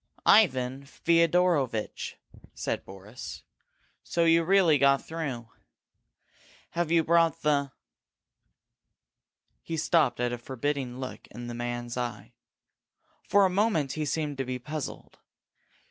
"Ivan Feodorovitch!" said Boris. "So you really got through! Have you brought the " He stopped at a forbidding look in the man's eye. For a moment he seemed to be puzzled.